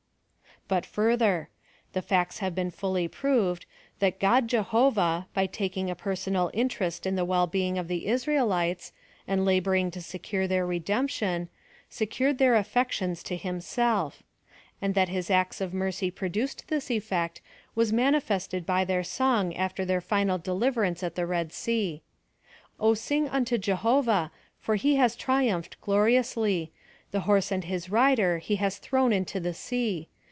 But further : the facts have been fully proved, that God Jehovah, by taking a personal interest in the well being of the Israelites, and laboring to se cure their redemption, secured their affections to himself; and that His acts of mercy produced this effect was manifested by their song after their final deliverance at the Red Sea. "O sins: unto Jelio vah, for he has triumphed gloriously ; the horse and his rider he has thrown into the sea.